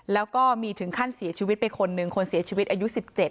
แล้วก็มีถึงขั้นเสียชีวิตไปคนหนึ่งคนเสียชีวิตอายุ๑๗